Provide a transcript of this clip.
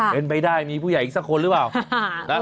เป็นไปได้มีผู้ใหญ่อีกสักคนหรือเปล่า